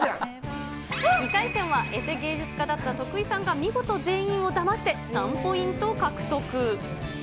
２回戦はエセ芸術家だった徳井さんが、見事、全員をだまして３ポイント獲得。